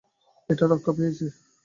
এটা রক্ষা পেয়েছে।